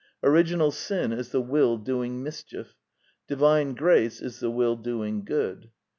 "Original sin" is the will doing mischief. "Divine grace*' is the will doing good.